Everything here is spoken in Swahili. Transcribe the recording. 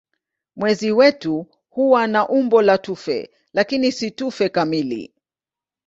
Mwezi wetu huwa na umbo la tufe lakini si tufe kamili.